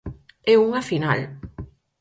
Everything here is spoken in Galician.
E unha final.